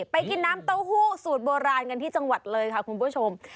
ไปกินน้ำเต้าหู้สูตรโบราณกันที่จังหวัดเลยค่ะคุณผู้ชม